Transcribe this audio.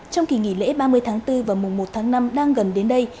trong kỳ nghỉ lễ ba mươi tháng bốn và mùa một tháng năm đang gần đến đây